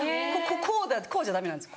こうじゃダメなんです